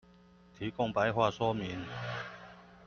提供白話說明